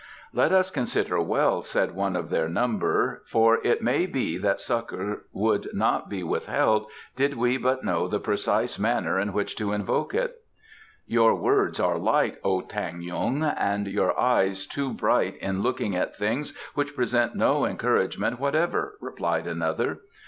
"Let us consider well," said one of their number, "for it may be that succour would not be withheld did we but know the precise manner in which to invoke it." "Your words are light, O Tan yung, and your eyes too bright in looking at things which present no encouragement whatever," replied another.